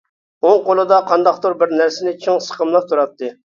ئوڭ قولىدا قانداقتۇر بىر نەرسىنى چىڭ سىقىملاپ تۇراتتى.